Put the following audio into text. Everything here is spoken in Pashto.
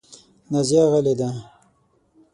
نازیه غلې ده .